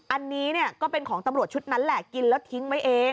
อันนี้ก็เป็นของตำรวจชุดนั้นแหละกินแล้วทิ้งไว้เอง